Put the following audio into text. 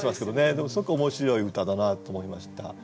でもすごく面白い歌だなと思いました。